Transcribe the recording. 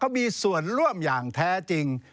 เขามีส่วนร่วมอย่างแท้จริง